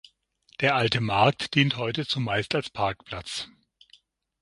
Der Alte Markt dient heute zumeist als Parkplatz.